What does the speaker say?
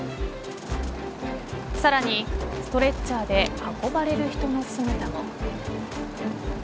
さらにストレッチャーで運ばれる人の姿も。